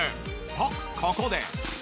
とここで。